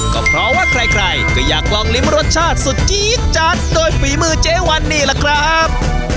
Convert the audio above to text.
ก็เพราะว่าใครก็อยากลองลิ้มรสชาติสุดจี๊ดจัดโดยฝีมือเจ๊วันนี่แหละครับ